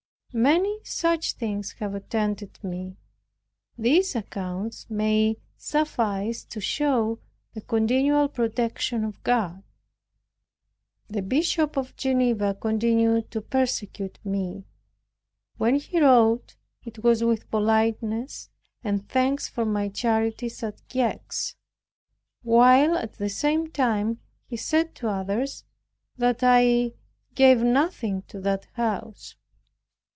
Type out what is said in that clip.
Many such things have attended me. These accounts may suffice to show the continual protection of God. The Bishop of Geneva continued to persecute me. When he wrote, it was with politeness and thanks for my charities at Gex; while at the same time he said to others that I "gave nothing to that house."